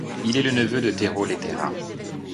Il est le neveu de Tero Lehterä.